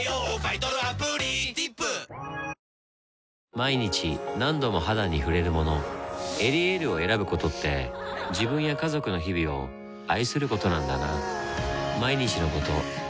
毎日何度も肌に触れるもの「エリエール」を選ぶことって自分や家族の日々を愛することなんだなぁ